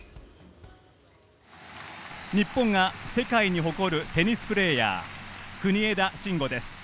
日本が世界に誇るテニスプレーヤー国枝慎吾です。